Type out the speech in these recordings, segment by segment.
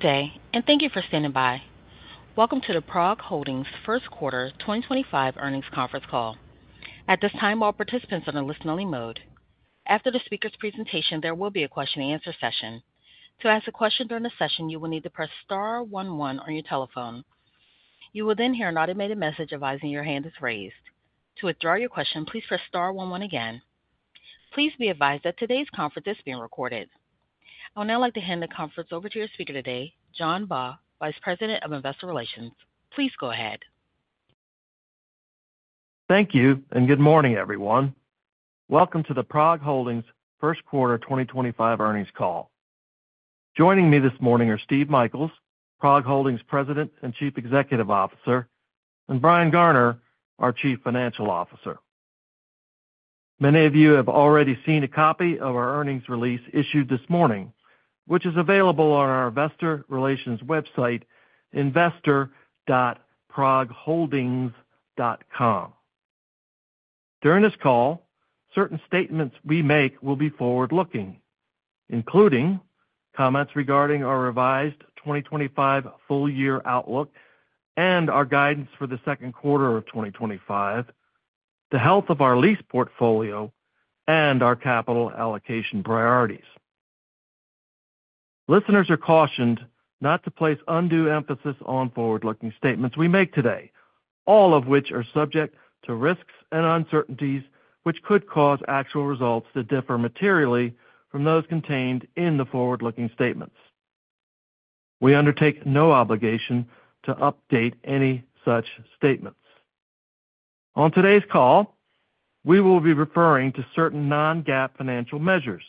Good day, and thank you for standing by. Welcome to the PROG Holdings first quarter 2025 earnings conference call. At this time, all participants are in listen-only mode. After the speaker's presentation, there will be a question-and-answer session. To ask a question during the session, you will need to press star 11 on your telephone. You will then hear an automated message advising your hand is raised. To withdraw your question, please press star 11 again. Please be advised that today's conference is being recorded. I would now like to hand the conference over to your speaker today, John Baugh, Vice President of Investor Relations. Please go ahead. Thank you, and good morning, everyone. Welcome to the PROG Holdings first quarter 2025 earnings call. Joining me this morning are Steve Michaels, PROG Holdings' President and Chief Executive Officer, and Brian Garner, our Chief Financial Officer. Many of you have already seen a copy of our earnings release issued this morning, which is available on our investor relations website, investor.progholdings.com. During this call, certain statements we make will be forward-looking, including comments regarding our revised 2025 full-year outlook and our guidance for the second quarter of 2025, the health of our lease portfolio, and our capital allocation priorities. Listeners are cautioned not to place undue emphasis on forward-looking statements we make today, all of which are subject to risks and uncertainties which could cause actual results to differ materially from those contained in the forward-looking statements. We undertake no obligation to update any such statements. On today's call, we will be referring to certain non-GAAP financial measures,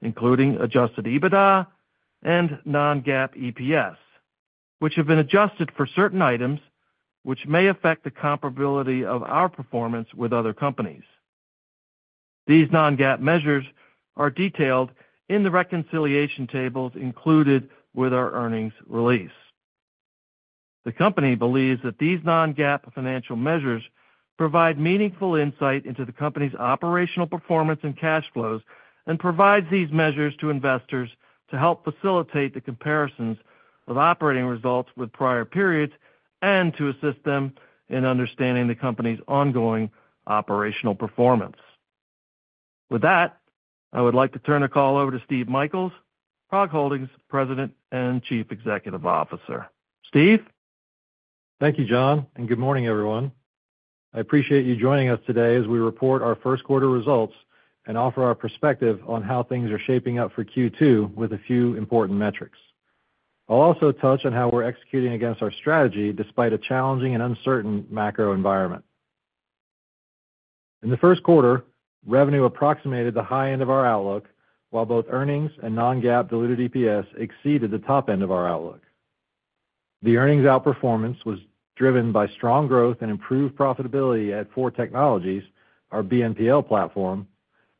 including adjusted EBITDA and non-GAAP EPS, which have been adjusted for certain items which may affect the comparability of our performance with other companies. These non-GAAP measures are detailed in the reconciliation tables included with our earnings release. The company believes that these non-GAAP financial measures provide meaningful insight into the company's operational performance and cash flows and provides these measures to investors to help facilitate the comparisons of operating results with prior periods and to assist them in understanding the company's ongoing operational performance. With that, I would like to turn the call over to Steve Michaels, PROG Holdings' President and Chief Executive Officer. Steve? Thank you, John, and good morning, everyone. I appreciate you joining us today as we report our first quarter results and offer our perspective on how things are shaping up for Q2 with a few important metrics. I'll also touch on how we're executing against our strategy despite a challenging and uncertain macro environment. In the first quarter, revenue approximated the high end of our outlook, while both earnings and non-GAAP diluted EPS exceeded the top end of our outlook. The earnings outperformance was driven by strong growth and improved profitability at Four Technologies, our BNPL platform,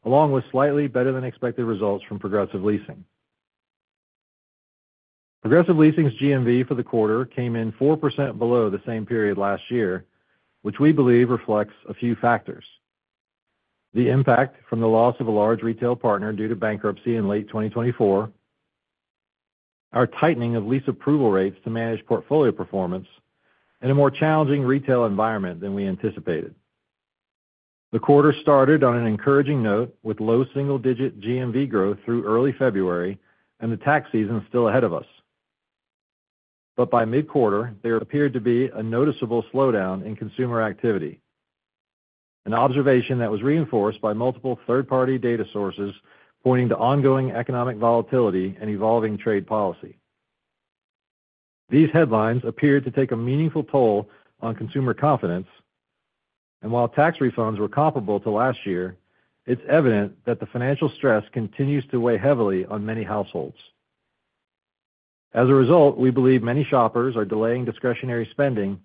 along with slightly better-than-expected results from Progressive Leasing. Progressive Leasing's GMV for the quarter came in 4% below the same period last year, which we believe reflects a few factors: the impact from the loss of a large retail partner due to bankruptcy in late 2024, our tightening of lease approval rates to manage portfolio performance, and a more challenging retail environment than we anticipated. The quarter started on an encouraging note with low single-digit GMV growth through early February and the tax season still ahead of us. By mid-quarter, there appeared to be a noticeable slowdown in consumer activity, an observation that was reinforced by multiple third-party data sources pointing to ongoing economic volatility and evolving trade policy. These headlines appeared to take a meaningful toll on consumer confidence, and while tax refunds were comparable to last year, it is evident that the financial stress continues to weigh heavily on many households. As a result, we believe many shoppers are delaying discretionary spending,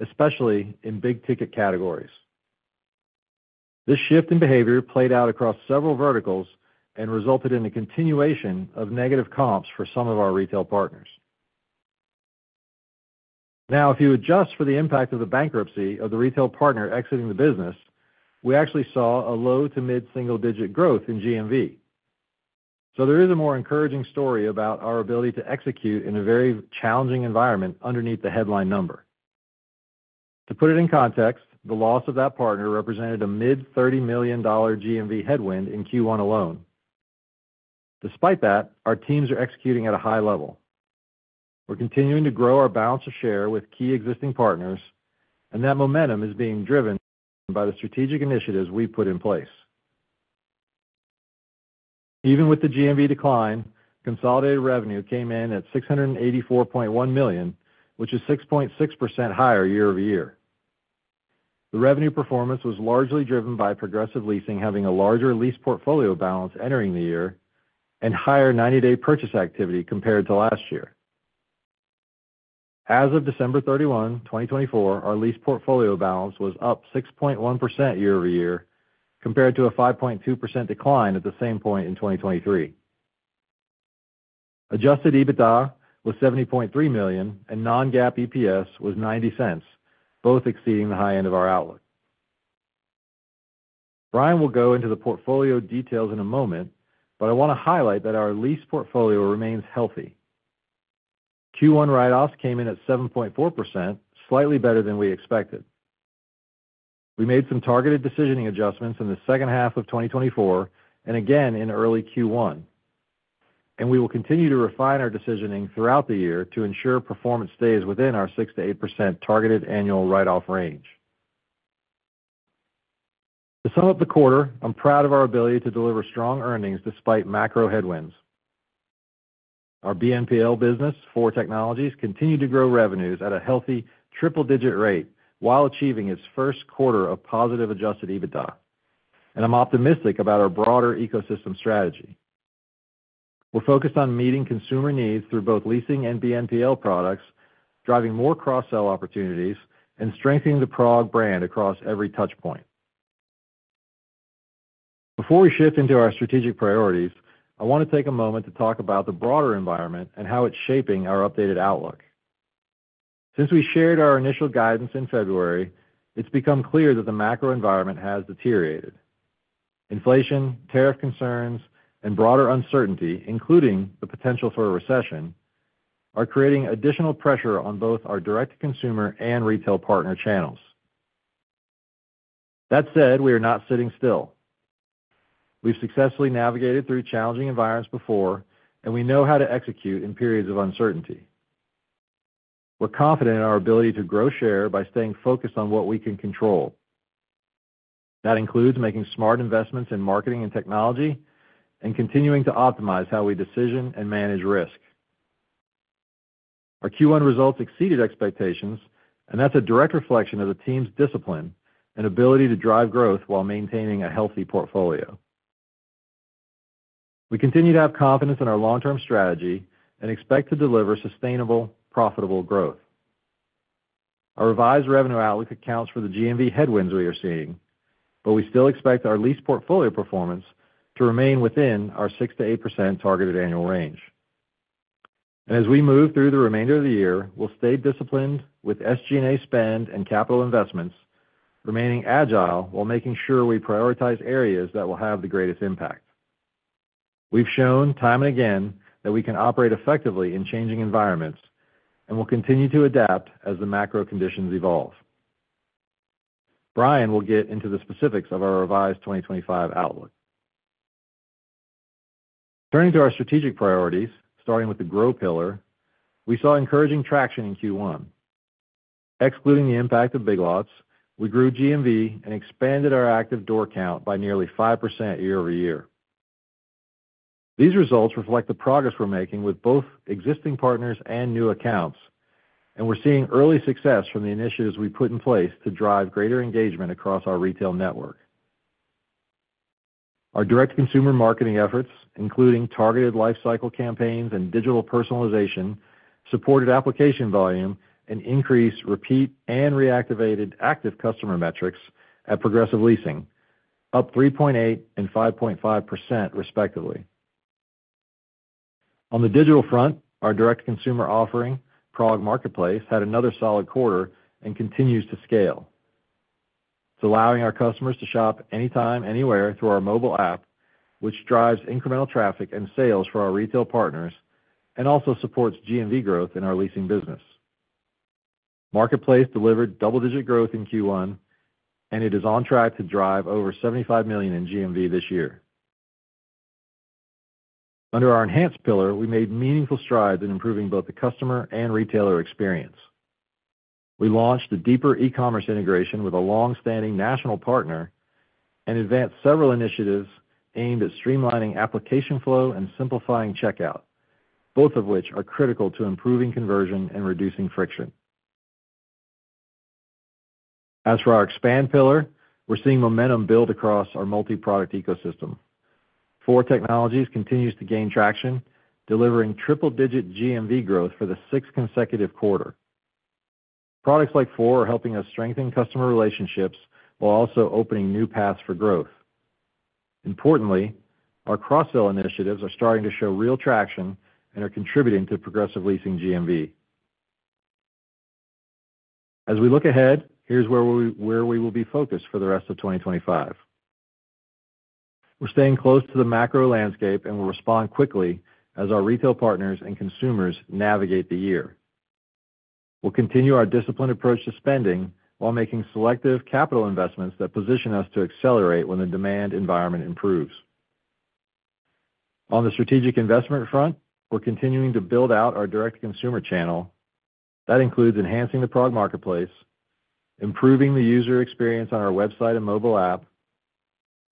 especially in big-ticket categories. This shift in behavior played out across several verticals and resulted in a continuation of negative comps for some of our retail partners. Now, if you adjust for the impact of the bankruptcy of the retail partner exiting the business, we actually saw a low to mid-single-digit growth in GMV. There is a more encouraging story about our ability to execute in a very challenging environment underneath the headline number. To put it in context, the loss of that partner represented a mid-$30 million GMV headwind in Q1 alone. Despite that, our teams are executing at a high level. We're continuing to grow our balance of share with key existing partners, and that momentum is being driven by the strategic initiatives we've put in place. Even with the GMV decline, consolidated revenue came in at $684.1 million, which is 6.6% higher year-over-year. The revenue performance was largely driven by Progressive Leasing having a larger lease portfolio balance entering the year and higher 90-day purchase activity compared to last year. As of December 31, 2024, our lease portfolio balance was up 6.1% year-over-year compared to a 5.2% decline at the same point in 2023. Adjusted EBITDA was $70.3 million, and non-GAAP EPS was $0.90, both exceeding the high end of our outlook. Brian will go into the portfolio details in a moment, but I want to highlight that our lease portfolio remains healthy. Q1 write-offs came in at 7.4%, slightly better than we expected. We made some targeted decisioning adjustments in the second half of 2024 and again in early Q1, and we will continue to refine our decisioning throughout the year to ensure performance stays within our 6-8% targeted annual write-off range. To sum up the quarter, I'm proud of our ability to deliver strong earnings despite macro headwinds. Our BNPL business, Four Technologies, continued to grow revenues at a healthy triple-digit rate while achieving its first quarter of positive adjusted EBITDA, and I'm optimistic about our broader ecosystem strategy. We're focused on meeting consumer needs through both leasing and BNPL products, driving more cross-sell opportunities, and strengthening the PROG brand across every touchpoint. Before we shift into our strategic priorities, I want to take a moment to talk about the broader environment and how it's shaping our updated outlook. Since we shared our initial guidance in February, it's become clear that the macro environment has deteriorated. Inflation, tariff concerns, and broader uncertainty, including the potential for a recession, are creating additional pressure on both our direct-to-consumer and retail partner channels. That said, we are not sitting still. We've successfully navigated through challenging environments before, and we know how to execute in periods of uncertainty. We're confident in our ability to grow share by staying focused on what we can control. That includes making smart investments in marketing and technology and continuing to optimize how we decision and manage risk. Our Q1 results exceeded expectations, and that's a direct reflection of the team's discipline and ability to drive growth while maintaining a healthy portfolio. We continue to have confidence in our long-term strategy and expect to deliver sustainable, profitable growth. Our revised revenue outlook accounts for the GMV headwinds we are seeing, but we still expect our lease portfolio performance to remain within our 6-8% targeted annual range. As we move through the remainder of the year, we'll stay disciplined with SG&A spend and capital investments, remaining agile while making sure we prioritize areas that will have the greatest impact. We've shown time and again that we can operate effectively in changing environments and will continue to adapt as the macro conditions evolve. Brian will get into the specifics of our revised 2025 outlook. Turning to our strategic priorities, starting with the grow pillar, we saw encouraging traction in Q1. Excluding the impact of Big Lots, we grew GMV and expanded our active door count by nearly 5% year-over-year. These results reflect the progress we're making with both existing partners and new accounts, and we're seeing early success from the initiatives we put in place to drive greater engagement across our retail network. Our direct-to-consumer marketing efforts, including targeted lifecycle campaigns and digital personalization, supported application volume and increased repeat and reactivated active customer metrics at Progressive Leasing, up 3.8% and 5.5% respectively. On the digital front, our direct-to-consumer offering, PROG Marketplace, had another solid quarter and continues to scale. It's allowing our customers to shop anytime, anywhere through our mobile app, which drives incremental traffic and sales for our retail partners and also supports GMV growth in our leasing business. Marketplace delivered double-digit growth in Q1, and it is on track to drive over $75 million in GMV this year. Under our enhanced pillar, we made meaningful strides in improving both the customer and retailer experience. We launched a deeper e-commerce integration with a long-standing national partner and advanced several initiatives aimed at streamlining application flow and simplifying checkout, both of which are critical to improving conversion and reducing friction. As for our expand pillar, we're seeing momentum build across our multi-product ecosystem. Four Technologies continues to gain traction, delivering triple-digit GMV growth for the sixth consecutive quarter. Products like Four are helping us strengthen customer relationships while also opening new paths for growth. Importantly, our cross-sell initiatives are starting to show real traction and are contributing to Progressive Leasing GMV. As we look ahead, here's where we will be focused for the rest of 2025. We're staying close to the macro landscape and will respond quickly as our retail partners and consumers navigate the year. We'll continue our disciplined approach to spending while making selective capital investments that position us to accelerate when the demand environment improves. On the strategic investment front, we're continuing to build out our direct-to-consumer channel. That includes enhancing the PROG Marketplace, improving the user experience on our website and mobile app,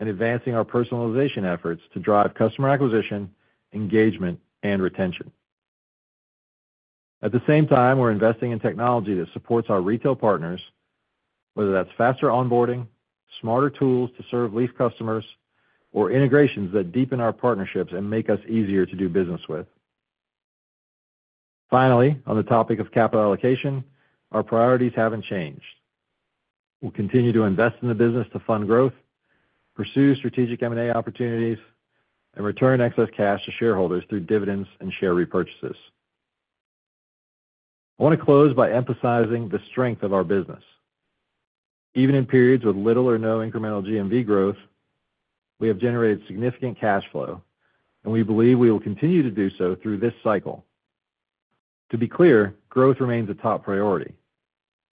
and advancing our personalization efforts to drive customer acquisition, engagement, and retention. At the same time, we're investing in technology that supports our retail partners, whether that's faster onboarding, smarter tools to serve lease customers, or integrations that deepen our partnerships and make us easier to do business with. Finally, on the topic of capital allocation, our priorities haven't changed. We'll continue to invest in the business to fund growth, pursue strategic M&A opportunities, and return excess cash to shareholders through dividends and share repurchases. I want to close by emphasizing the strength of our business. Even in periods with little or no incremental GMV growth, we have generated significant cash flow, and we believe we will continue to do so through this cycle. To be clear, growth remains a top priority,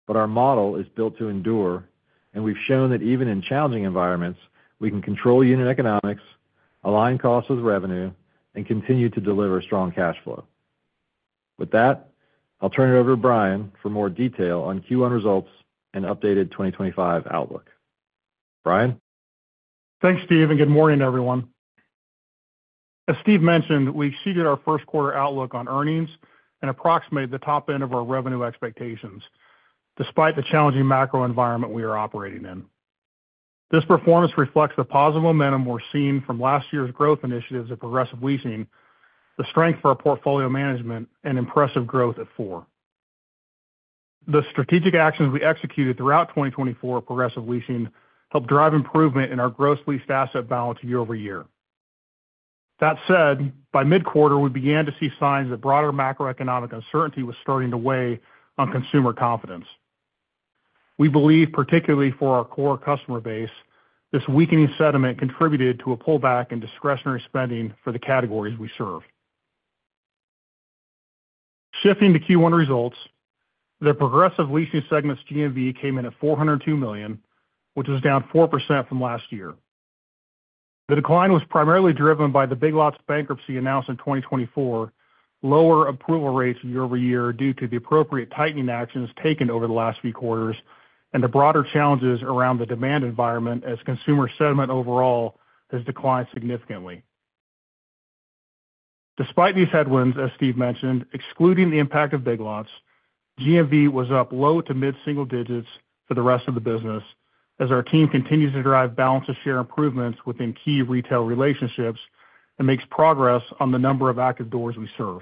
but our model is built to endure, and we've shown that even in challenging environments, we can control unit economics, align costs with revenue, and continue to deliver strong cash flow. With that, I'll turn it over to Brian for more detail on Q1 results and updated 2025 outlook. Brian? Thanks, Steve, and good morning, everyone. As Steve mentioned, we exceeded our first quarter outlook on earnings and approximated the top end of our revenue expectations despite the challenging macro environment we are operating in. This performance reflects the positive momentum we're seeing from last year's growth initiatives of Progressive Leasing, the strength of our portfolio management, and impressive growth at Four. The strategic actions we executed throughout 2024 at Progressive Leasing helped drive improvement in our gross leased asset balance year-over-year. That said, by mid-quarter, we began to see signs that broader macroeconomic uncertainty was starting to weigh on consumer confidence. We believe, particularly for our core customer base, this weakening sentiment contributed to a pullback in discretionary spending for the categories we serve. Shifting to Q1 results, the Progressive Leasing segment's GMV came in at $402 million, which is down 4% from last year. The decline was primarily driven by the Big Lots bankruptcy announced in 2024, lower approval rates year-over-year due to the appropriate tightening actions taken over the last few quarters, and the broader challenges around the demand environment as consumer sentiment overall has declined significantly. Despite these headwinds, as Steve mentioned, excluding the impact of Big Lots, GMV was up low to mid-single digits for the rest of the business as our team continues to drive balance of share improvements within key retail relationships and makes progress on the number of active doors we serve.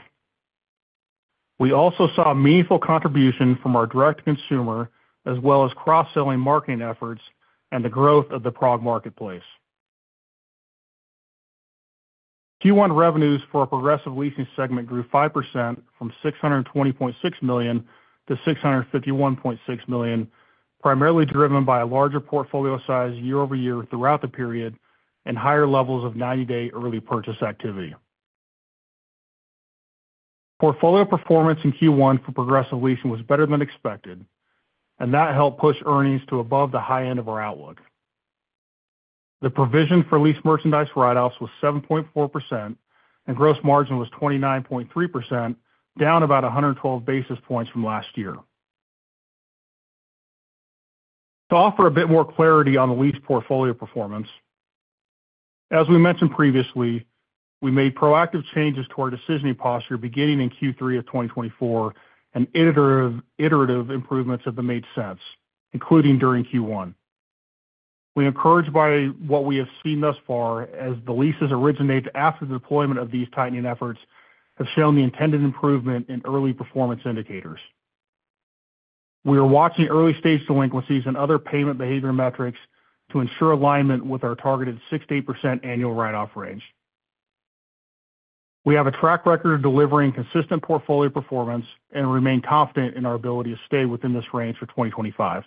We also saw meaningful contribution from our direct-to-consumer as well as cross-selling marketing efforts and the growth of the PROG Marketplace. Q1 revenues for our Progressive Leasing segment grew 5% from $620.6 million to $651.6 million, primarily driven by a larger portfolio size year-over-year throughout the period and higher levels of 90-day early purchase activity. Portfolio performance in Q1 for Progressive Leasing was better than expected, and that helped push earnings to above the high end of our outlook. The provision for lease merchandise write-offs was 7.4%, and gross margin was 29.3%, down about 112 basis points from last year. To offer a bit more clarity on the lease portfolio performance, as we mentioned previously, we made proactive changes to our decisioning posture beginning in Q3 of 2024, and iterative improvements have been made since, including during Q1. We are encouraged by what we have seen thus far as the leases originated after the deployment of these tightening efforts have shown the intended improvement in early performance indicators. We are watching early-stage delinquencies and other payment behavior metrics to ensure alignment with our targeted 6-8% annual write-off range. We have a track record of delivering consistent portfolio performance and remain confident in our ability to stay within this range for 2025.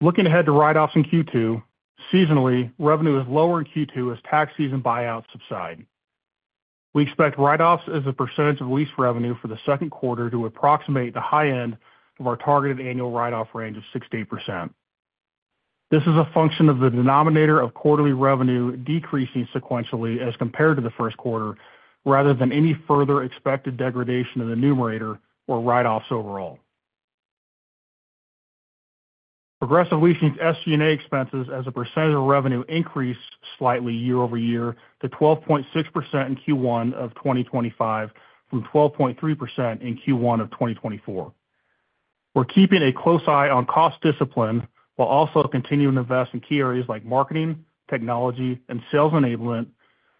Looking ahead to write-offs in Q2, seasonally, revenue is lower in Q2 as tax season buyouts subside. We expect write-offs as a percentage of lease revenue for the second quarter to approximate the high end of our targeted annual write-off range of 6-8%. This is a function of the denominator of quarterly revenue decreasing sequentially as compared to the first quarter, rather than any further expected degradation of the numerator or write-offs overall. Progressive Leasing SG&A expenses as a percentage of revenue increased slightly year-over-year to 12.6% in Q1 of 2025 from 12.3% in Q1 of 2024. We're keeping a close eye on cost discipline while also continuing to invest in key areas like marketing, technology, and sales enablement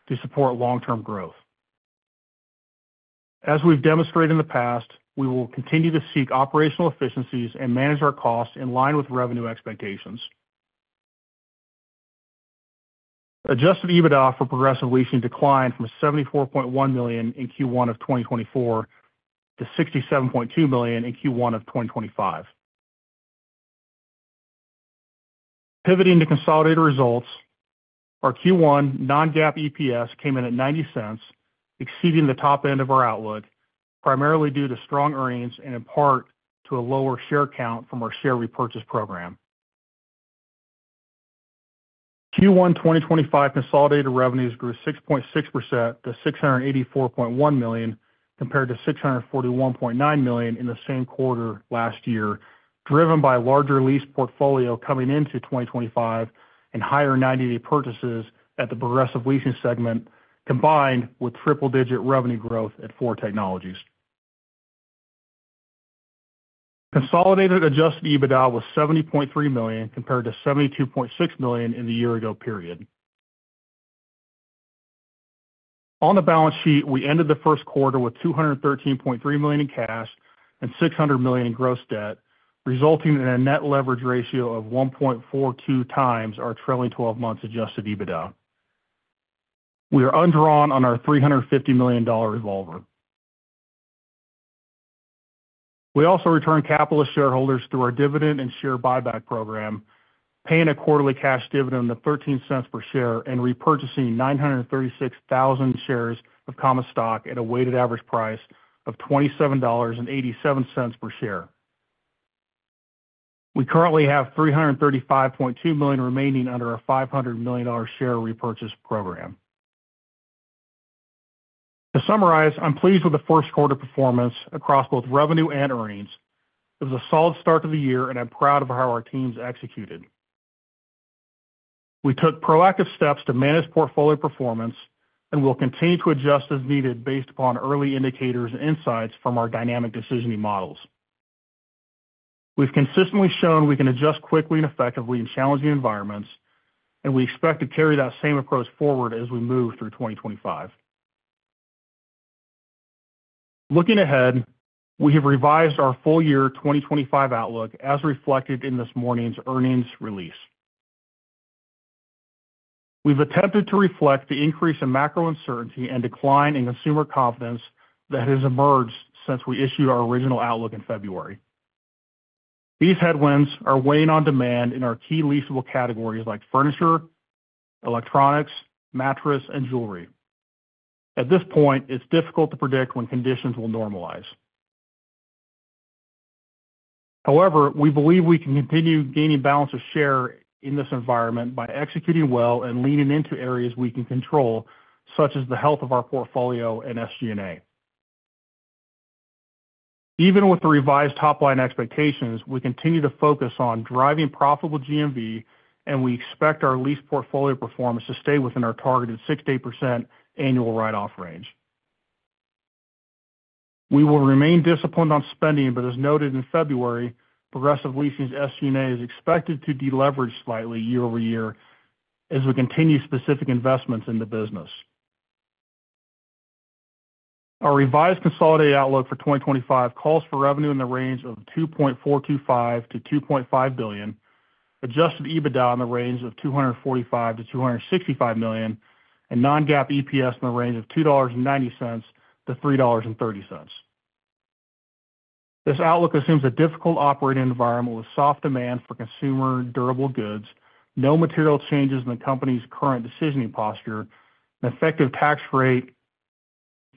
to support long-term growth. As we've demonstrated in the past, we will continue to seek operational efficiencies and manage our costs in line with revenue expectations. Adjusted EBITDA for Progressive Leasing declined from $74.1 million in Q1 of 2024 to $67.2 million in Q1 of 2025. Pivoting to consolidated results, our Q1 non-GAAP EPS came in at $0.90, exceeding the top end of our outlook, primarily due to strong earnings and in part to a lower share count from our share repurchase program. Q1 2025 consolidated revenues grew 6.6% to $684.1 million compared to $641.9 million in the same quarter last year, driven by a larger lease portfolio coming into 2025 and higher 90-day purchases at the Progressive Leasing segment, combined with triple-digit revenue growth at Four Technologies. Consolidated adjusted EBITDA was $70.3 million compared to $72.6 million in the year-ago period. On the balance sheet, we ended the first quarter with $213.3 million in cash and $600 million in gross debt, resulting in a net leverage ratio of 1.42 times our trailing 12 months' adjusted EBITDA. We are undrawn on our $350 million revolver. We also returned capital to shareholders through our dividend and share buyback program, paying a quarterly cash dividend of $0.13 per share and repurchasing 936,000 shares of common stock at a weighted average price of $27.87 per share. We currently have $335.2 million remaining under our $500 million share repurchase program. To summarize, I'm pleased with the first quarter performance across both revenue and earnings. It was a solid start to the year, and I'm proud of how our teams executed. We took proactive steps to manage portfolio performance and will continue to adjust as needed based upon early indicators and insights from our dynamic decisioning models. We've consistently shown we can adjust quickly and effectively in challenging environments, and we expect to carry that same approach forward as we move through 2025. Looking ahead, we have revised our full year 2025 outlook as reflected in this morning's earnings release. We've attempted to reflect the increase in macro uncertainty and decline in consumer confidence that has emerged since we issued our original outlook in February. These headwinds are weighing on demand in our key leasable categories like furniture, electronics, mattress, and jewelry. At this point, it's difficult to predict when conditions will normalize. However, we believe we can continue gaining balance of share in this environment by executing well and leaning into areas we can control, such as the health of our portfolio and SG&A. Even with the revised top-line expectations, we continue to focus on driving profitable GMV, and we expect our lease portfolio performance to stay within our targeted 6-8% annual write-off range. We will remain disciplined on spending, but as noted in February, Progressive Leasing SG&A is expected to deleverage slightly year-over-year as we continue specific investments in the business. Our revised consolidated outlook for 2025 calls for revenue in the range of $2.425 billion-$2.5 billion, adjusted EBITDA in the range of $245 million-$265 million, and non-GAAP EPS in the range of $2.90-$3.30. This outlook assumes a difficult operating environment with soft demand for consumer durable goods, no material changes in the company's current decisioning posture, an effective tax rate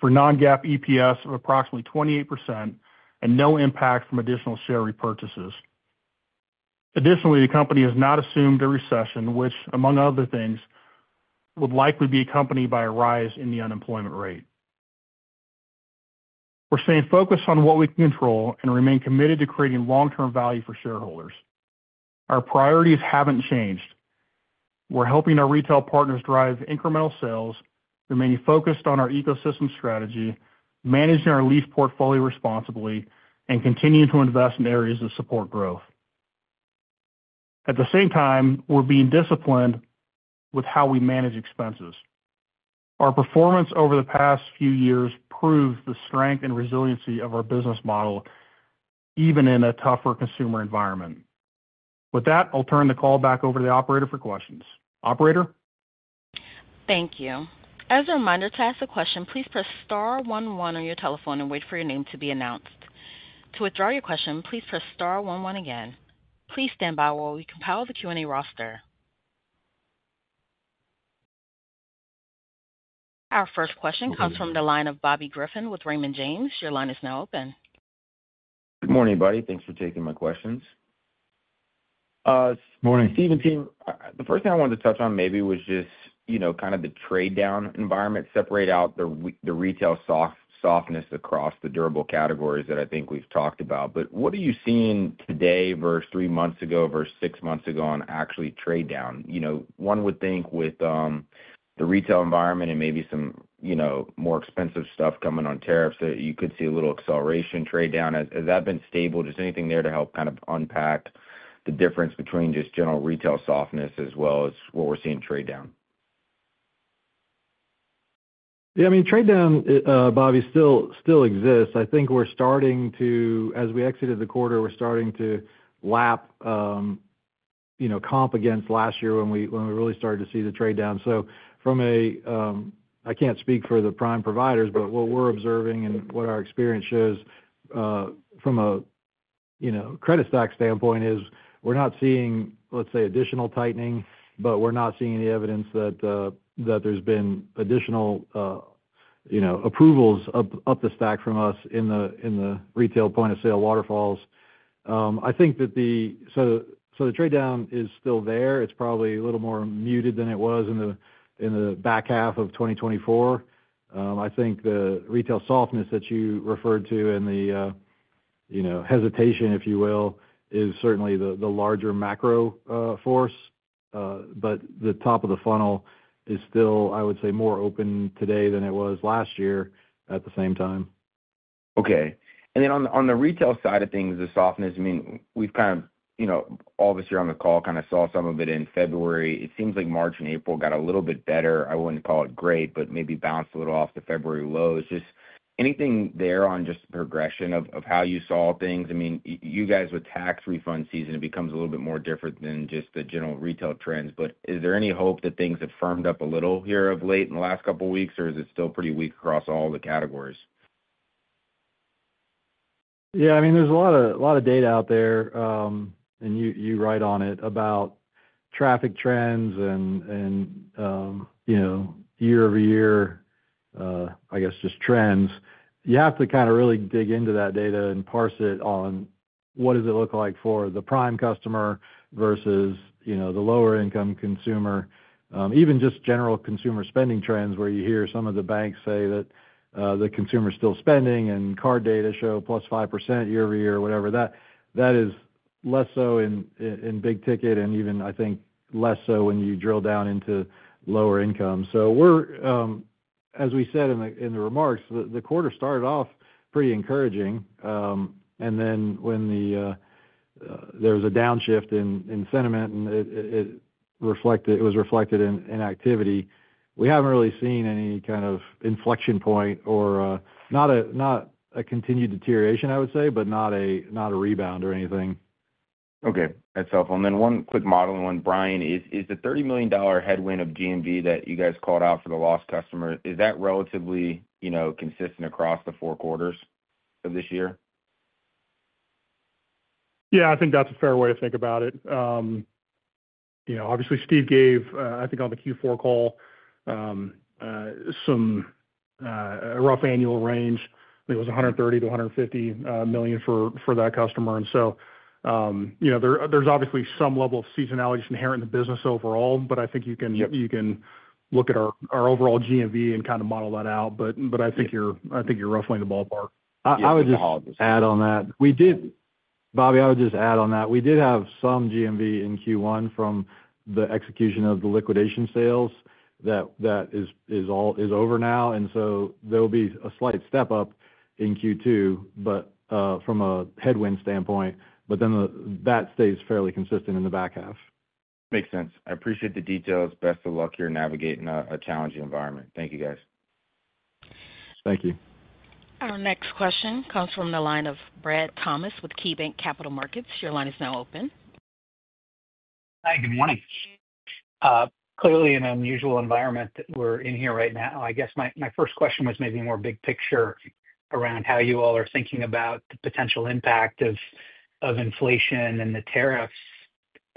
for non-GAAP EPS of approximately 28%, and no impact from additional share repurchases. Additionally, the company has not assumed a recession, which, among other things, would likely be accompanied by a rise in the unemployment rate. We're staying focused on what we can control and remain committed to creating long-term value for shareholders. Our priorities haven't changed. We're helping our retail partners drive incremental sales, remaining focused on our ecosystem strategy, managing our lease portfolio responsibly, and continuing to invest in areas that support growth. At the same time, we're being disciplined with how we manage expenses. Our performance over the past few years proves the strength and resiliency of our business model, even in a tougher consumer environment. With that, I'll turn the call back over to the operator for questions. Operator? Thank you. As a reminder to ask a question, please press star 11 on your telephone and wait for your name to be announced. To withdraw your question, please press star 11 again. Please stand by while we compile the Q&A roster. Our first question comes from the line of Bobby Griffin with Raymond James. Your line is now open. Good morning, everybody. Thanks for taking my questions. Good morning, Steve and team. The first thing I wanted to touch on maybe was just kind of the trade-down environment, separate out the retail softness across the durable categories that I think we've talked about. What are you seeing today versus three months ago, versus six months ago on actually trade-down? One would think with the retail environment and maybe some more expensive stuff coming on tariffs, that you could see a little acceleration trade-down. Has that been stable? Is there anything there to help kind of unpack the difference between just general retail softness as well as what we're seeing trade-down? Yeah, I mean, trade-down, Bobby, still exists. I think we're starting to, as we exited the quarter, we're starting to lap comp against last year when we really started to see the trade-down. From a—I can't speak for the prime providers, but what we're observing and what our experience shows from a credit stock standpoint is we're not seeing, let's say, additional tightening, but we're not seeing any evidence that there's been additional approvals up the stack from us in the retail point of sale waterfalls. I think that the trade-down is still there. It's probably a little more muted than it was in the back half of 2024. I think the retail softness that you referred to and the hesitation, if you will, is certainly the larger macro force. The top of the funnel is still, I would say, more open today than it was last year at the same time. Okay. And then on the retail side of things, the softness, I mean, we've kind of—all of us here on the call kind of saw some of it in February. It seems like March and April got a little bit better. I wouldn't call it great, but maybe bounced a little off the February lows. Just anything there on just the progression of how you saw things? I mean, you guys with tax refund season, it becomes a little bit more different than just the general retail trends. Is there any hope that things have firmed up a little here of late in the last couple of weeks, or is it still pretty weak across all the categories? Yeah, I mean, there's a lot of data out there, and you write on it about traffic trends and year-over-year, I guess, just trends. You have to kind of really dig into that data and parse it on what does it look like for the prime customer versus the lower-income consumer, even just general consumer spending trends where you hear some of the banks say that the consumer is still spending and card data show plus 5% year-over-year, whatever. That is less so in big ticket and even, I think, less so when you drill down into lower income. As we said in the remarks, the quarter started off pretty encouraging. When there was a downshift in sentiment, and it was reflected in activity, we haven't really seen any kind of inflection point or not a continued deterioration, I would say, but not a rebound or anything. Okay. That's helpful. One quick modeling one, Brian, is the $30 million headwind of GMV that you guys called out for the lost customer, is that relatively consistent across the four quarters of this year? Yeah, I think that's a fair way to think about it. Obviously, Steve gave, I think, on the Q4 call, some rough annual range. I think it was $130 million-$150 million for that customer. There is obviously some level of seasonality inherent in the business overall, but I think you can look at our overall GMV and kind of model that out. I think you're roughly in the ballpark. I would just add on that. Bobby, I would just add on that. We did have some GMV in Q1 from the execution of the liquidation sales. That is over now. There will be a slight step up in Q2 from a headwind standpoint, but then that stays fairly consistent in the back half. Makes sense. I appreciate the details. Best of luck here navigating a challenging environment. Thank you, guys. Thank you. Our next question comes from the line of Brad Thomas with KeyBanc Capital Markets. Your line is now open. Hi, good morning. Clearly, in an unusual environment that we're in here right now, I guess my first question was maybe more big picture around how you all are thinking about the potential impact of inflation and the tariffs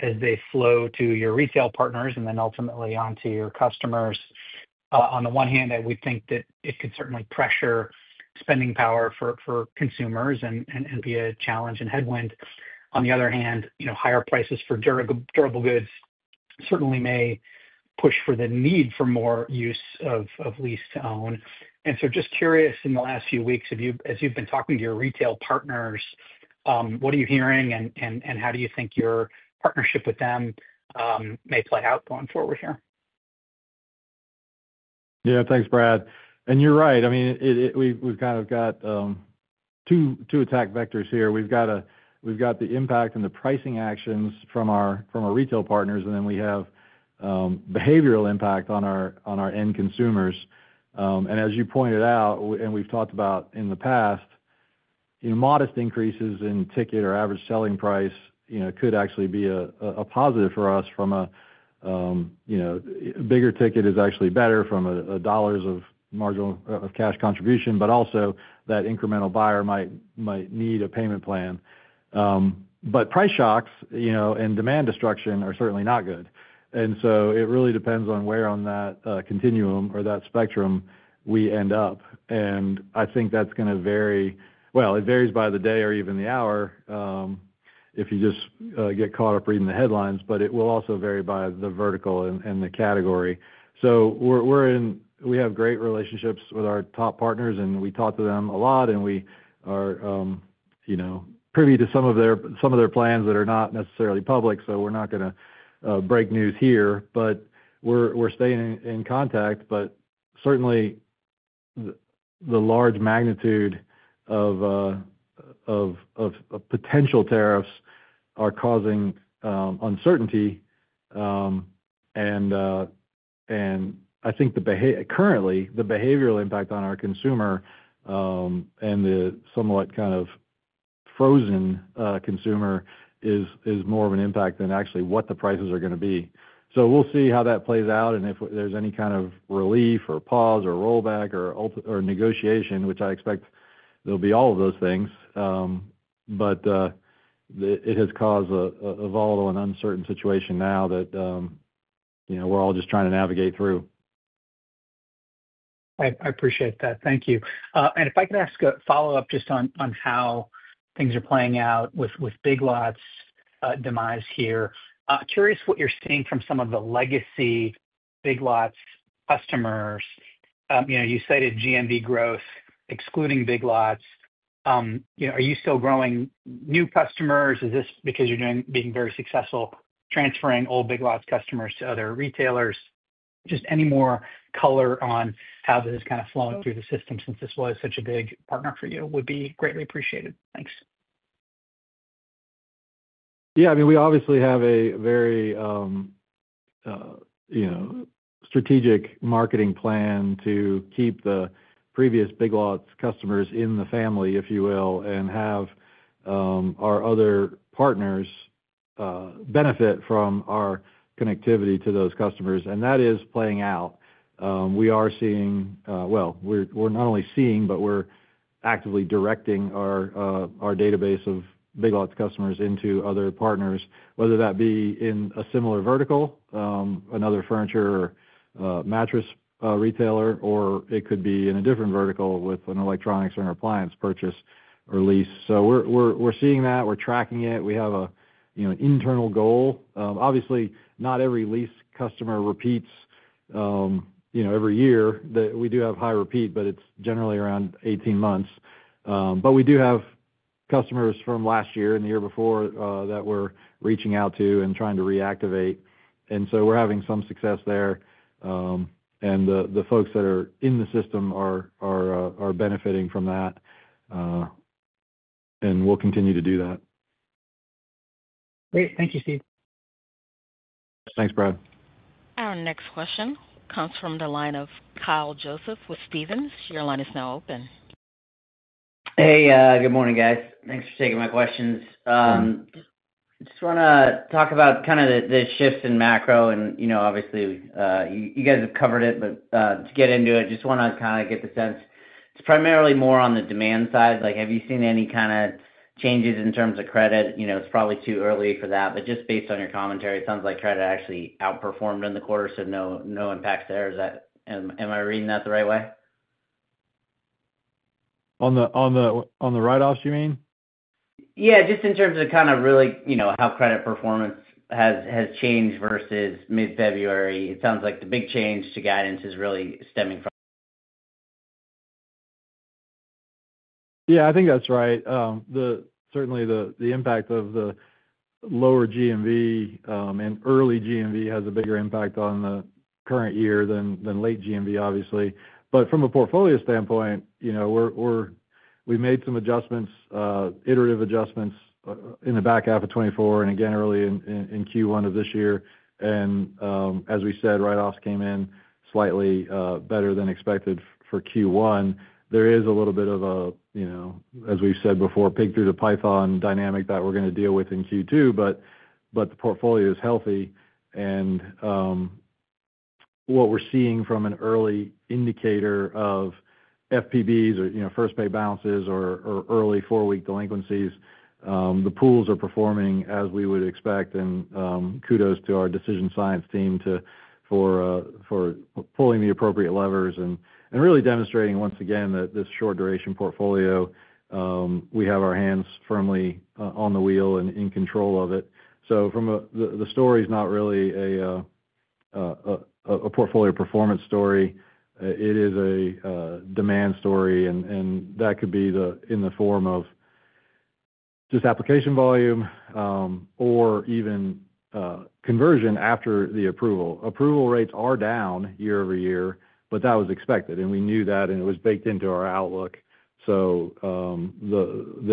as they flow to your retail partners and then ultimately onto your customers. On the one hand, we think that it could certainly pressure spending power for consumers and be a challenge and headwind. On the other hand, higher prices for durable goods certainly may push for the need for more use of lease-to-own. And so just curious, in the last few weeks, as you've been talking to your retail partners, what are you hearing, and how do you think your partnership with them may play out going forward here? Yeah, thanks, Brad. You're right. I mean, we've kind of got two attack vectors here. We've got the impact and the pricing actions from our retail partners, and then we have behavioral impact on our end consumers. As you pointed out, and we've talked about in the past, modest increases in ticket or average selling price could actually be a positive for us from a bigger ticket is actually better from dollars of marginal cash contribution, but also that incremental buyer might need a payment plan. Price shocks and demand destruction are certainly not good. It really depends on where on that continuum or that spectrum we end up. I think that's going to vary—it varies by the day or even the hour if you just get caught up reading the headlines, but it will also vary by the vertical and the category. We have great relationships with our top partners, and we talk to them a lot, and we are privy to some of their plans that are not necessarily public, so we're not going to break news here. We're staying in contact. Certainly, the large magnitude of potential tariffs are causing uncertainty. I think currently, the behavioral impact on our consumer and the somewhat kind of frozen consumer is more of an impact than actually what the prices are going to be. We'll see how that plays out and if there's any kind of relief or pause or rollback or negotiation, which I expect there'll be all of those things. It has caused a volatile and uncertain situation now that we're all just trying to navigate through. I appreciate that. Thank you. If I could ask a follow-up just on how things are playing out with Big Lots demise here, curious what you're seeing from some of the legacy Big Lots customers. You cited GMV growth excluding Big Lots. Are you still growing new customers? Is this because you're being very successful transferring old Big Lots customers to other retailers? Just any more color on how this is kind of flowing through the system since this was such a big partner for you would be greatly appreciated. Thanks. Yeah, I mean, we obviously have a very strategic marketing plan to keep the previous Big Lots customers in the family, if you will, and have our other partners benefit from our connectivity to those customers. That is playing out. We are seeing—well, we're not only seeing, but we're actively directing our database of Big Lots customers into other partners, whether that be in a similar vertical, another furniture or mattress retailer, or it could be in a different vertical with an electronics or an appliance purchase or lease. We are seeing that. We are tracking it. We have an internal goal. Obviously, not every lease customer repeats every year. We do have high repeat, but it is generally around 18 months. We do have customers from last year and the year before that we are reaching out to and trying to reactivate. We are having some success there. The folks that are in the system are benefiting from that. We'll continue to do that. Great. Thank you, Steve. Thanks, Brad. Our next question comes from the line of Kyle Joseph with Stephens. Your line is now open. Hey, good morning, guys. Thanks for taking my questions. I just want to talk about kind of the shifts in macro. Obviously, you guys have covered it, but to get into it, just want to kind of get the sense. It's primarily more on the demand side. Have you seen any kind of changes in terms of credit? It's probably too early for that. Just based on your commentary, it sounds like credit actually outperformed in the quarter, so no impact there. Am I reading that the right way? On the write-offs, you mean? Yeah, just in terms of kind of really how credit performance has changed versus mid-February. It sounds like the big change to guidance is really stemming from. Yeah, I think that's right. Certainly, the impact of the lower GMV and early GMV has a bigger impact on the current year than late GMV, obviously. From a portfolio standpoint, we made some adjustments, iterative adjustments in the back half of 2024 and again early in Q1 of this year. As we said, write-offs came in slightly better than expected for Q1. There is a little bit of a, as we've said before, pig through the python dynamic that we're going to deal with in Q2, but the portfolio is healthy. What we're seeing from an early indicator of FPBs or first-pay balances or early four-week delinquencies, the pools are performing as we would expect. Kudos to our decision science team for pulling the appropriate levers and really demonstrating once again that this short-duration portfolio, we have our hands firmly on the wheel and in control of it. The story is not really a portfolio performance story. It is a demand story. That could be in the form of just application volume or even conversion after the approval. Approval rates are down year-over-year, but that was expected. We knew that, and it was baked into our outlook. The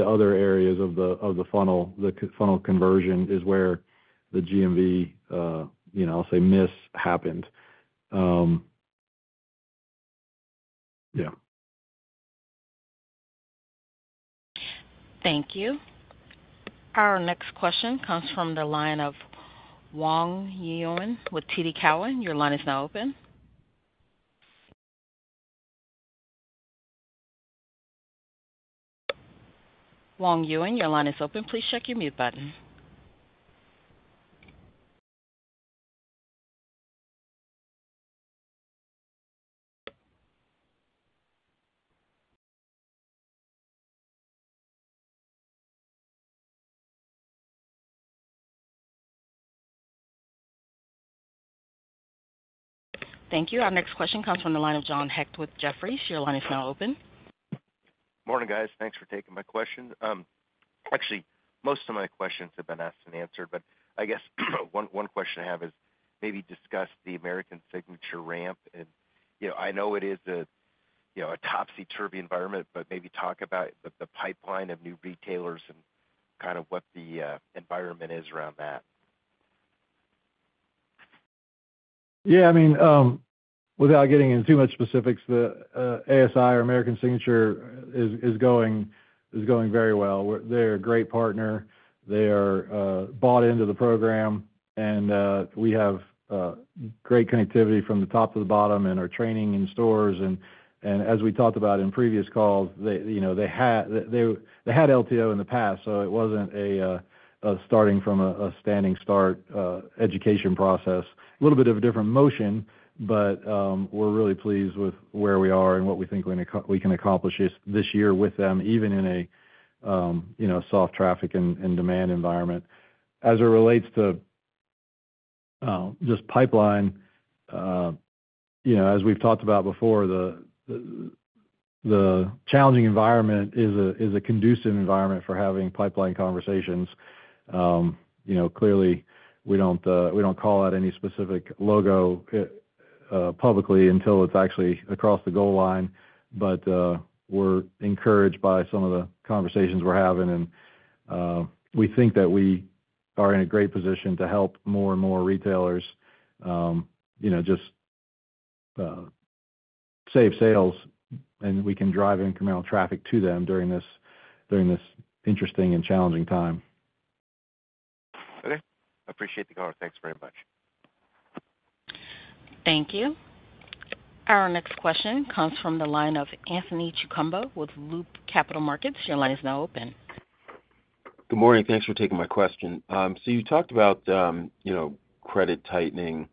other areas of the funnel, the funnel conversion is where the GMV, I'll say miss, happened. Yeah. Thank you. Our next question comes from the line of Hoang Nguyen with TD Cowen. Your line is now open. Hoang Nguyen, your line is open. Please check your mute button. Thank you. Our next question comes from the line of John Hecht with Jefferies. Your line is now open. Morning, guys. Thanks for taking my questions. Actually, most of my questions have been asked and answered, but I guess one question I have is maybe discuss the American Signature ramp. I know it is a topsy-turvy environment, but maybe talk about the pipeline of new retailers and kind of what the environment is around that. Yeah, I mean, without getting into too much specifics, the ASI or American Signature is going very well. They're a great partner. They are bought into the program. We have great connectivity from the top to the bottom and are training in stores. As we talked about in previous calls, they had LTO in the past, so it was not starting from a standing start education process. A little bit of a different motion, but we're really pleased with where we are and what we think we can accomplish this year with them, even in a soft traffic and demand environment. As it relates to just pipeline, as we've talked about before, the challenging environment is a conducive environment for having pipeline conversations. Clearly, we do not call out any specific logo publicly until it is actually across the goal line. We are encouraged by some of the conversations we are having. We think that we are in a great position to help more and more retailers just save sales, and we can drive incremental traffic to them during this interesting and challenging time. Okay. Appreciate the call. Thanks very much. Thank you. Our next question comes from the line of Anthony Chukumba with Loop Capital Markets. Your line is now open. Good morning. Thanks for taking my question. You talked about credit tightening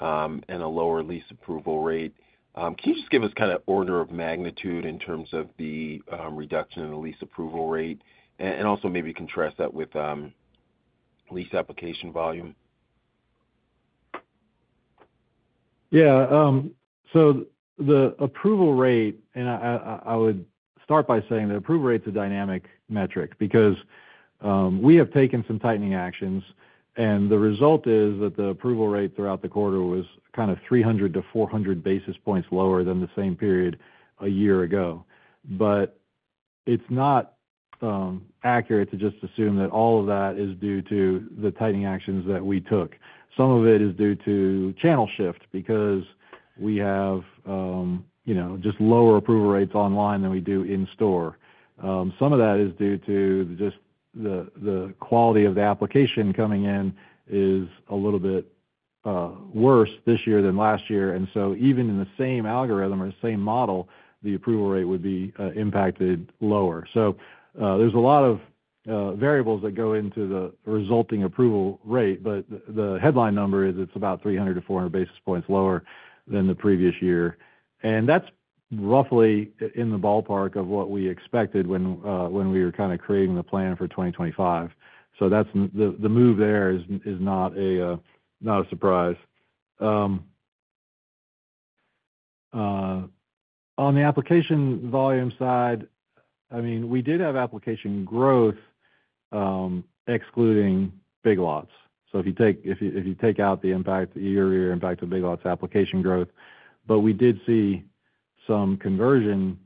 and a lower lease approval rate. Can you just give us kind of order of magnitude in terms of the reduction in the lease approval rate? Also maybe contrast that with lease application volume. Yeah. The approval rate, and I would start by saying the approval rate's a dynamic metric because we have taken some tightening actions. The result is that the approval rate throughout the quarter was kind of 300-400 basis points lower than the same period a year ago. It is not accurate to just assume that all of that is due to the tightening actions that we took. Some of it is due to channel shift because we have just lower approval rates online than we do in store. Some of that is due to just the quality of the application coming in is a little bit worse this year than last year. Even in the same algorithm or the same model, the approval rate would be impacted lower. There's a lot of variables that go into the resulting approval rate, but the headline number is it's about 300-400 basis points lower than the previous year. That's roughly in the ballpark of what we expected when we were kind of creating the plan for 2025. The move there is not a surprise. On the application volume side, I mean, we did have application growth excluding Big Lots. If you take out the impact, the year-to-year impact of Big Lots application growth, we did see some conversion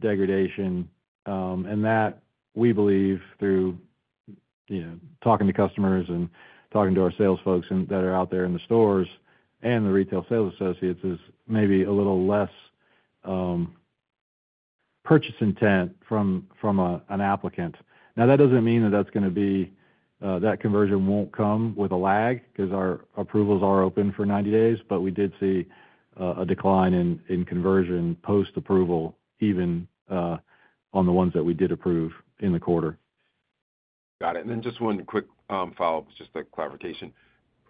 degradation. That, we believe, through talking to customers and talking to our sales folks that are out there in the stores and the retail sales associates, is maybe a little less purchase intent from an applicant. Now, that doesn't mean that that's going to be that conversion won't come with a lag because our approvals are open for 90 days, but we did see a decline in conversion post-approval, even on the ones that we did approve in the quarter. Got it. Just one quick follow-up, just a clarification.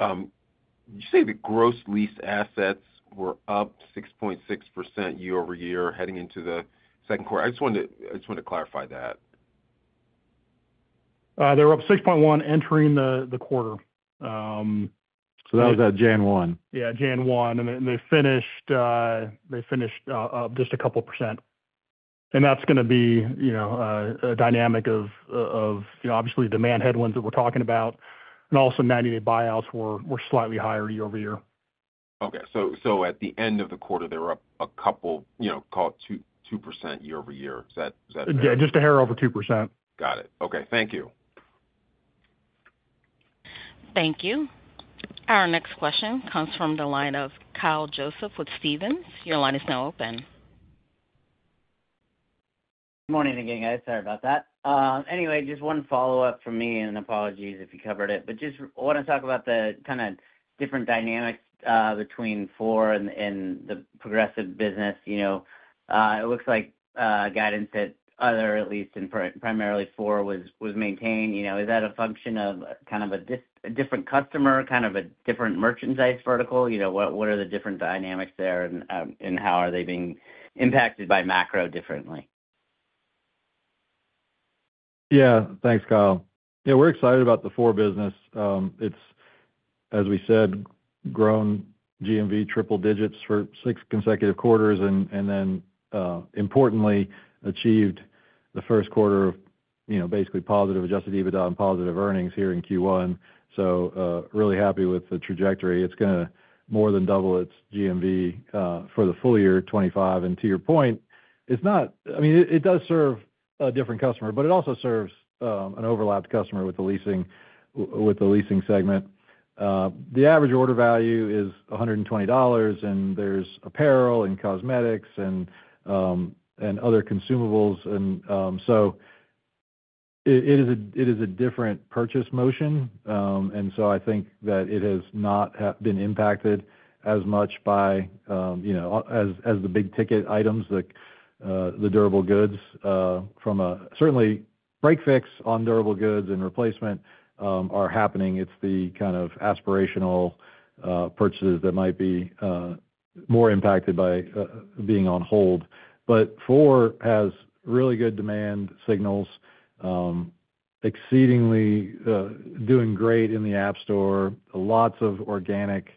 You say the gross lease assets were up 6.6% year-over-year heading into the second quarter. I just wanted to clarify that. They're up 6.1% entering the quarter. That was at January 1. Yeah, January 1. They finished up just a couple of percent. That is going to be a dynamic of obviously demand headwinds that we're talking about. Also, 90-day buyouts were slightly higher year-over-year. Okay. At the end of the quarter, they were up a couple, call it 2% year-over-year. Is that right? Yeah, just a hair over 2%. Got it. Okay. Thank you. Thank you. Our next question comes from the line of Kyle Joseph with Stephens. Your line is now open. Good morning again, guys. Sorry about that. Anyway, just one follow-up from me and apologies if you covered it, but just want to talk about the kind of different dynamics between Four and the Progressive business. It looks like guidance at other, at least, and primarily Four was maintained. Is that a function of kind of a different customer, kind of a different merchandise vertical? What are the different dynamics there, and how are they being impacted by macro differently? Yeah. Thanks, Kyle. Yeah, we're excited about the Four business. It's, as we said, grown GMV triple digits for six consecutive quarters and then, importantly, achieved the first quarter of basically positive adjusted EBITDA and positive earnings here in Q1. Really happy with the trajectory. It's going to more than double its GMV for the full year, 2025. To your point, I mean, it does serve a different customer, but it also serves an overlapped customer with the leasing segment. The average order value is $120, and there's apparel and cosmetics and other consumables. It is a different purchase motion. I think that it has not been impacted as much by as the big ticket items, the durable goods. Certainly, break-fix on durable goods and replacement are happening. It's the kind of aspirational purchases that might be more impacted by being on hold. Four has really good demand signals, exceedingly doing great in the app store, lots of organic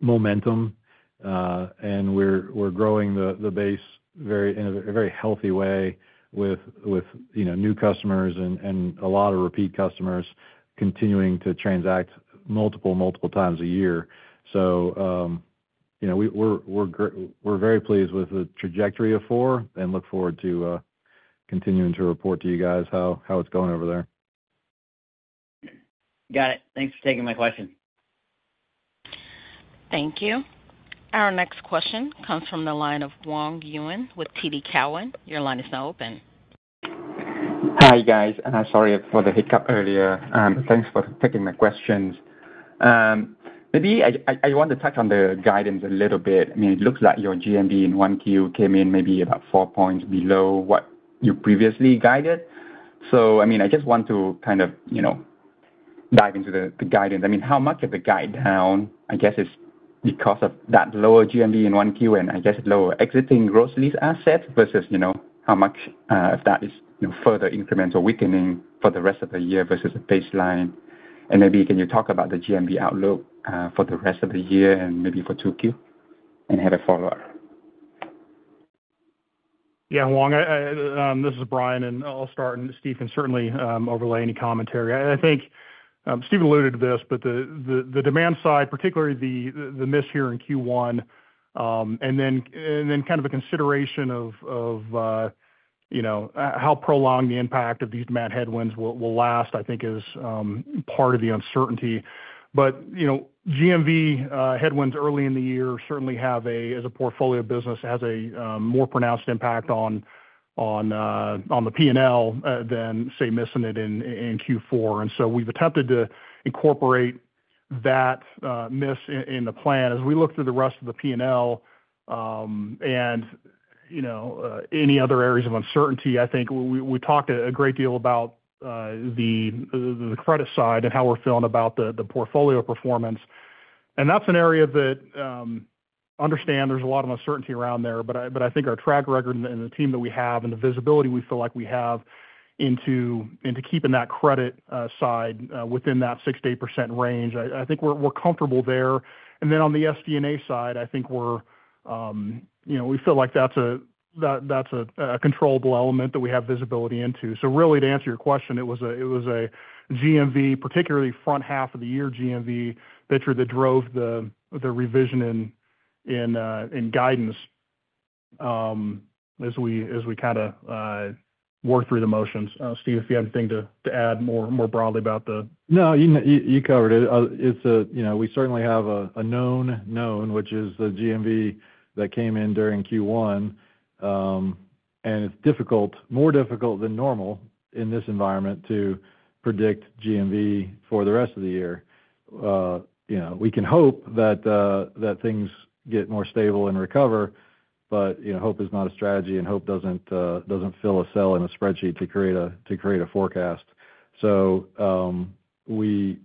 momentum. We are growing the base in a very healthy way with new customers and a lot of repeat customers continuing to transact multiple, multiple times a year. We are very pleased with the trajectory of Four and look forward to continuing to report to you guys how it is going over there. Got it. Thanks for taking my question. Thank you. Our next question comes from the line of Hoang Nguyen with TD Cowen. Your line is now open. Hi, guys. I'm sorry for the hiccup earlier. Thanks for taking my questions. Maybe I want to touch on the guidance a little bit. I mean, it looks like your GMV in 1Q came in maybe about four points below what you previously guided. I just want to kind of dive into the guidance. I mean, how much of the guide down, I guess, is because of that lower GMV in 1Q and, I guess, lower exiting gross lease assets versus how much of that is further incremental weakening for the rest of the year versus the baseline? Maybe can you talk about the GMV outlook for the rest of the year and maybe for 2Q? I have a follow-up. Yeah, Hoang, this is Brian. I'll start, and Steve can certainly overlay any commentary. I think Steve alluded to this, but the demand side, particularly the miss here in Q1, and then kind of a consideration of how prolonged the impact of these demand headwinds will last, I think, is part of the uncertainty. GMV headwinds early in the year certainly have a, as a portfolio business, has a more pronounced impact on the P&L than, say, missing it in Q4. We've attempted to incorporate that miss in the plan as we look through the rest of the P&L and any other areas of uncertainty. I think we talked a great deal about the credit side and how we're feeling about the portfolio performance. That's an area that, understand, there's a lot of uncertainty around there. I think our track record and the team that we have and the visibility we feel like we have into keeping that credit side within that 60% range, I think we're comfortable there. On the SG&A side, I think we feel like that's a controllable element that we have visibility into. Really, to answer your question, it was a GMV, particularly front half of the year GMV, picture, that drove the revision in guidance as we kind of worked through the motions. Steve, if you have anything to add more broadly about. No, you covered it. We certainly have a known known, which is the GMV that came in during Q1. It's more difficult than normal in this environment to predict GMV for the rest of the year. We can hope that things get more stable and recover, but hope is not a strategy, and hope does not fill a cell in a spreadsheet to create a forecast. We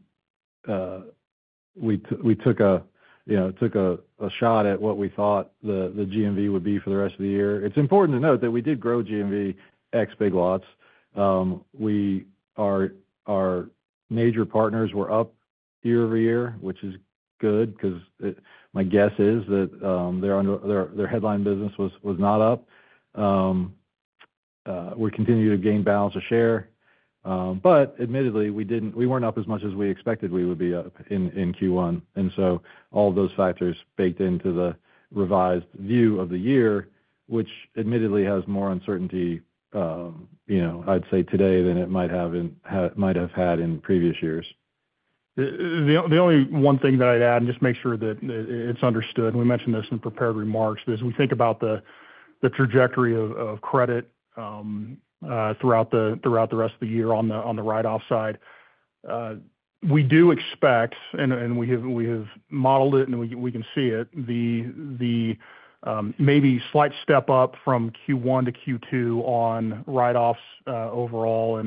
took a shot at what we thought the GMV would be for the rest of the year. It is important to note that we did grow GMV ex Big Lots. Our major partners were up year-over-year, which is good because my guess is that their headline business was not up. We continue to gain balance of share. Admittedly, we were not up as much as we expected we would be up in Q1. All of those factors are baked into the revised view of the year, which admittedly has more uncertainty, I would say today, than it might have had in previous years. The only one thing that I'd add, and just make sure that it's understood, and we mentioned this in prepared remarks, but as we think about the trajectory of credit throughout the rest of the year on the write-off side, we do expect, and we have modeled it, and we can see it, the maybe slight step up from Q1 to Q2 on write-offs overall.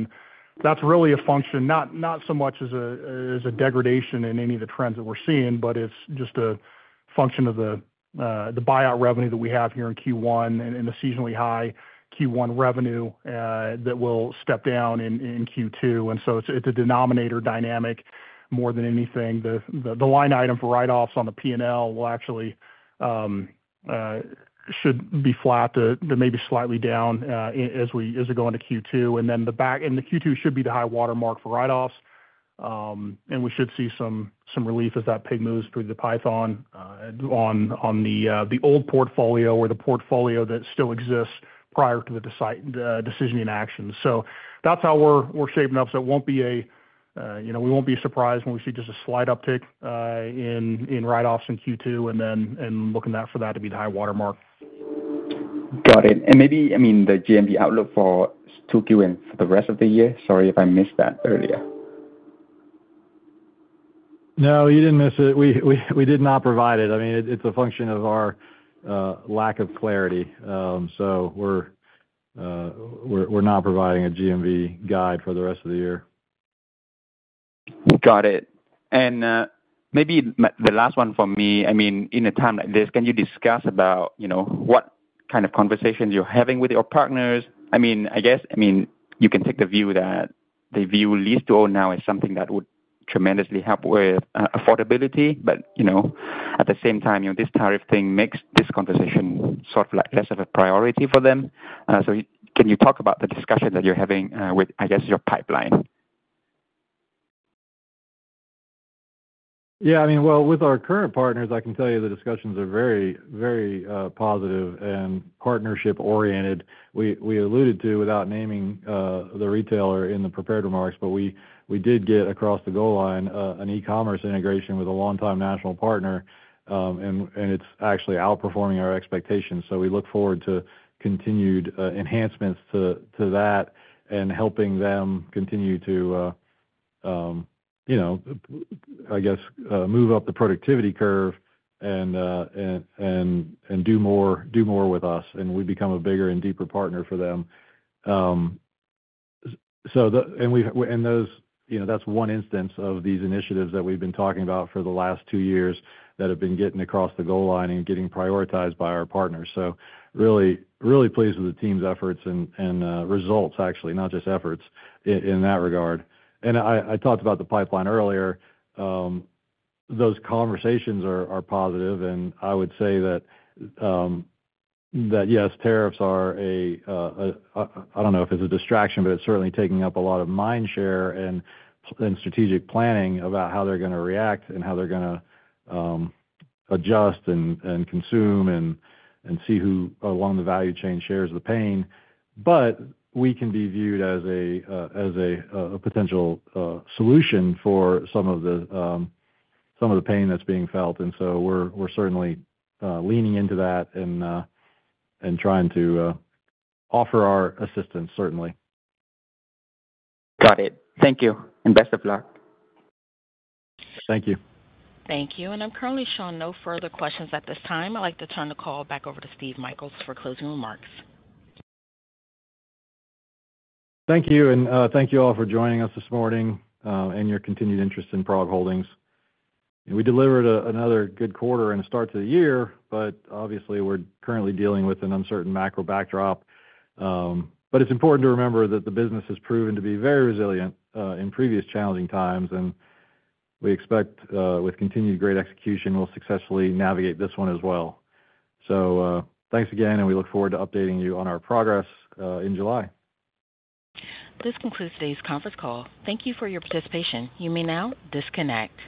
That's really a function, not so much as a degradation in any of the trends that we're seeing, but it's just a function of the buyout revenue that we have here in Q1 and the seasonally high Q1 revenue that will step down in Q2. It's a denominator dynamic more than anything. The line item for write-offs on the P&L will actually should be flat to maybe slightly down as we go into Q2. Q2 should be the high watermark for write-offs. We should see some relief as that pig moves through the python on the old portfolio or the portfolio that still exists prior to the decision in action. That's how we're shaping up. It won't be a, we won't be surprised when we see just a slight uptick in write-offs in Q2 and looking for that to be the high watermark. Got it. Maybe, I mean, the GMV outlook for 2Q and for the rest of the year. Sorry if I missed that earlier. No, you didn't miss it. We did not provide it. I mean, it's a function of our lack of clarity. So we're not providing a GMV guide for the rest of the year. Got it. Maybe the last one for me, I mean, in a time like this, can you discuss about what kind of conversations you're having with your partners? I mean, I guess, I mean, you can take the view of that, the view [list] now is something that would tremendously help with affordability. At the same time, this tariff thing makes this conversation sort of less of a priority for them. Can you talk about the discussion that you're having with, I guess, your pipeline? Yeah. I mean, with our current partners, I can tell you the discussions are very, very positive and partnership-oriented. We alluded to, without naming the retailer in the prepared remarks, but we did get across the goal line, an e-commerce integration with a longtime national partner. It is actually outperforming our expectations. I look forward to continued enhancements to that and helping them continue to, I guess, move up the productivity curve and do more with us. We become a bigger and deeper partner for them. That is one instance of these initiatives that we have been talking about for the last two years that have been getting across the goal line and getting prioritized by our partners. I am really, really pleased with the team's efforts and results, actually, not just efforts in that regard. I talked about the pipeline earlier. Those conversations are positive. I would say that, yes, tariffs are a—I do not know if it is a distraction, but it is certainly taking up a lot of mind share and strategic planning about how they are going to react and how they are going to adjust and consume and see who along the value chain shares the pain. We can be viewed as a potential solution for some of the pain that is being felt. We are certainly leaning into that and trying to offer our assistance, certainly. Got it. Thank you. Best of luck. Thank you. Thank you. I'm currently showing no further questions at this time. I'd like to turn the call back over to Steve Michaels for closing remarks. Thank you. Thank you all for joining us this morning and your continued interest in PROG Holdings. We delivered another good quarter and a start to the year, but obviously, we're currently dealing with an uncertain macro backdrop. It's important to remember that the business has proven to be very resilient in previous challenging times. We expect, with continued great execution, we'll successfully navigate this one as well. Thank you again, and we look forward to updating you on our progress in July. This concludes today's conference call. Thank you for your participation. You may now disconnect.